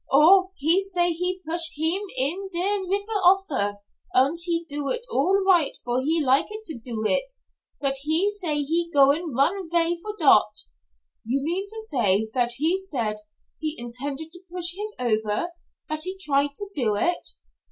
"Oh, he say he push heem in der rifer ofer, und he do it all right for he liket to do it, but he say he goin' run vay for dot." "You mean to say that he said he intended to push him over? That he tried to do it?"